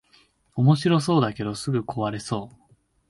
おもしろそうだけどすぐ壊れそう